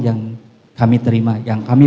yang kami terima yang kami